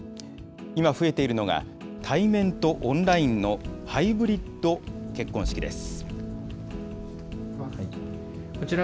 今増えているのが、対面とオンラインのハイブリッド結婚式です。